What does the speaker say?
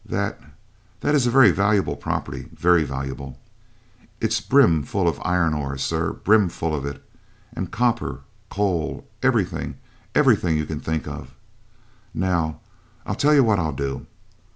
That that is a very valuable property very valuable. It's brim full of iron ore, sir brim full of it! And copper, coal, everything everything you can think of! Now, I'll tell you what I'll do.